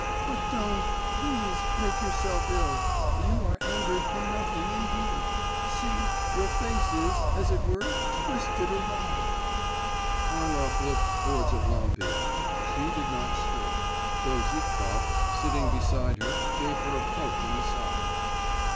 But don't, please, make yourself ill. You are angered for nothing, indeed; see, your face is, as it were, twisted awry.' Harlov looked towards Evlampia; she did not stir, though Zhitkov, sitting beside her, gave her a poke in the side.